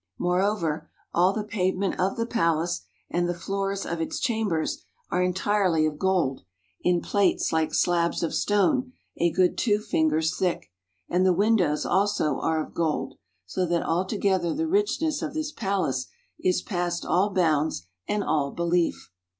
Moreover, all the pavement of the palace, and the floors of its chambers, are entirely of gold, in plates like slabs of stone, a good two fingers thick; and the windows also are of gold, so that altogether the richness of this palace is past all bounds and all belief.